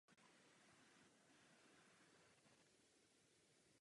To je nespravedlivé a je třeba to napravit.